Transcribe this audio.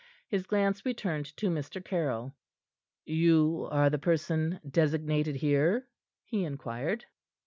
His glance returned to Mr. Caryll. "You are the person designated here?" he inquired.